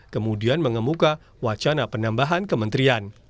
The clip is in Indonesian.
kemudian mengemuka wacana penambahan kementerian